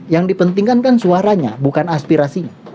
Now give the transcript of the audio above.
yang dipentingkan kan suaranya bukan aspirasinya